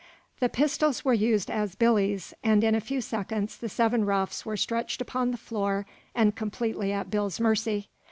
The pistols were used as "billys," and in a few seconds the seven roughs were stretched upon the floor and completely at Bill's mercy.